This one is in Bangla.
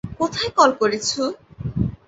কোথায় কল করেছ?